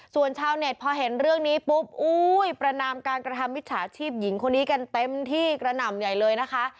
ส่วนชาวเน็ตพอเห็นเรื่องนี้ปุ๊บอุ้ยประนามการกระทำมิจฉาชีพหญิงคนนี้กันเต็มที่กระหน่ำใหญ่เลยนะคะ